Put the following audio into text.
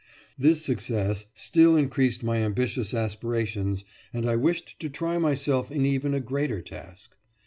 This success still increased my ambitious aspirations, and I wished to try myself in even a greater task.